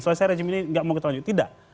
selesai rezim ini gak mau kita lanjutin tidak